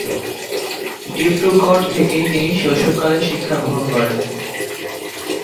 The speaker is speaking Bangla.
ডিব্রুগড় থেকেই তিনি শৈশব কালের শিক্ষা গ্রহণ করেন।